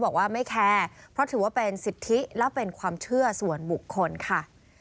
บอกว่าไม่แคร์เพราะถือว่าเป็นสิทธิและเป็นความเชื่อส่วนบุคคลค่ะ